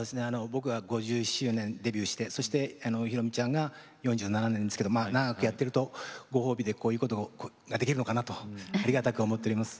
僕が５１周年デビューしてそして宏美ちゃんが４７年ですけど長くやってるとご褒美でこういうことができるのかなとありがたく思っております。